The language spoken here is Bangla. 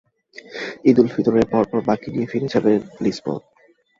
ঈদুল ফিতরের পরপর মাকে নিয়ে ফিরে যাবেন লিসবন।